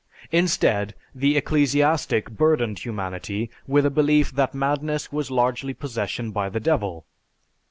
Instead the ecclesiastic burdened humanity with a belief that madness was largely possession by the Devil.